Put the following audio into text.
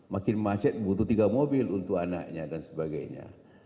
makin macet butuh tiga mobil untuk anaknya dan sebagainya